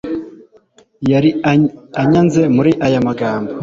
yari anyaze muri aya magambo